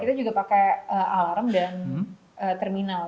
kita juga pakai alarm dan terminal